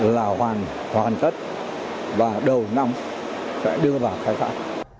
là hoàn tất và đầu năm sẽ đưa vào khai phát